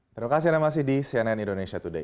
terima kasih anda masih di cnn indonesia today